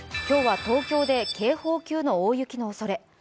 今日は東京で警報級の大雪のおそれ。